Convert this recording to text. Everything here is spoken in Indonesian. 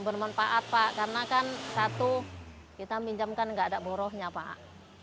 bermanfaat pak karena kan satu kita pinjamkan nggak ada borohnya pak